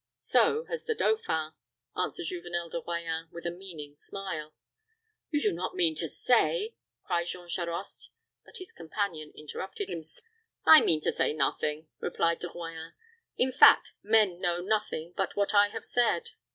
"So has the dauphin," answered Juvenel de Royans, with a meaning smile. "You do not mean to say," cried Jean Charost; but his companion interrupted him. "I mean to say nothing," replied De Royans "In fact, men know nothing but what I have said.